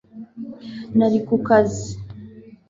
nari ku kazi